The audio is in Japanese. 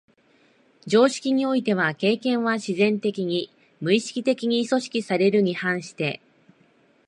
常識においては経験は自然的に、無意識的に組織されるに反して、